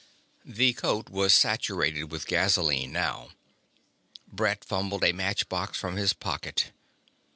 The coat was saturated with gasoline now. Brett fumbled a match box from his pocket.